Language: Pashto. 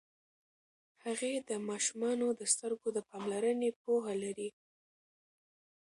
هغې د ماشومانو د سترګو د پاملرنې پوهه لري.